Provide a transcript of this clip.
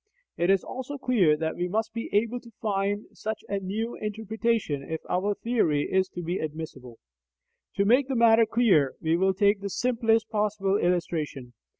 It is also clear that we must be able to find such a new interpretation if our theory is to be admissible. To make the matter clear, we will take the simplest possible illustration.